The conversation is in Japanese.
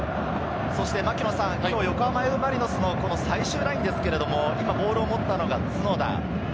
今日、横浜Ｆ・マリノスの最終ライン、ボールを持ったのが角田。